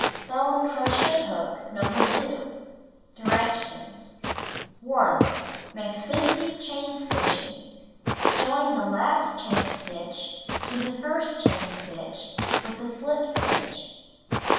Bone crochet hook No. 2. Directions: 1. Make 50 chain stitches. Join the last chain stitch to '''inU;.^ the first chain stitch with a slip stitch.